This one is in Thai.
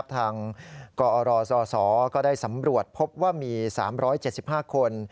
กรสก็ได้สำรวจพบว่ามี๓๗๕คน